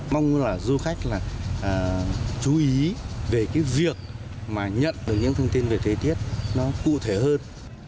mong là du khách là chú ý về cái việc mà nhận được những thông tin về thời tiết nó cụ thể hơn